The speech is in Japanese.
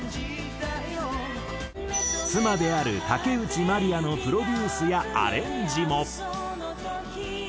妻である竹内まりやのプロデュースやアレンジも。